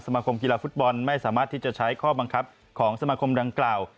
มาคมกีฬาฟุตบอลไม่สามารถที่จะใช้ข้อบังคับของสมาคมดังกล่าว